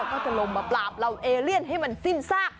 ก็จะลงมาปราบเหล่าเอเลียนให้มันสิ้นซาก